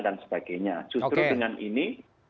dan sebagainya justru dengan ini